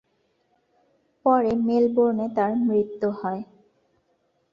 পরে মেলবোর্নে তাঁর মৃত্যু হয়।